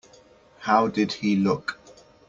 How did he look?